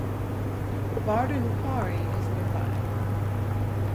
Bardon Quarry is nearby.